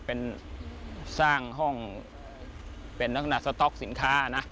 เป็นสร้างห้องเป็นลักษณะสต๊อกสินค้านะ